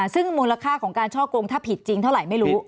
ซึ่งมูลค่าของการช่อกงถ้าผิดจริงเท่าไหร่ไม่รู้